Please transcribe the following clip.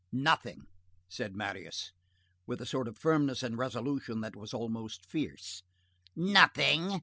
"Nothing," said Marius, with a sort of firmness and resolution that was almost fierce. "Nothing?